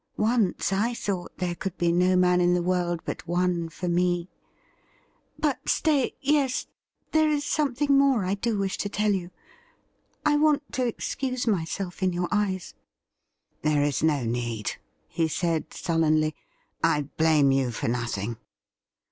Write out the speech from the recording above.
Once I thought there couJd be no man in the world but one for me. But stay — yes, there is something more I do wish to tell you. I want to excuse myself in your eyes.' ' There is no need,' he said sullenly. ' I blame you for nothing.'